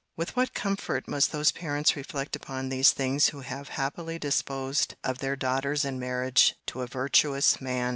With what comfort must those parents reflect upon these things who have happily disposed of their daughters in marriage to a virtuous man!